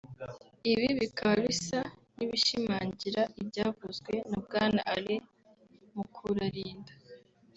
ibi bikaba bisa n’ibishimangira ibyavuzwe na Bwana Alain Mukurarinda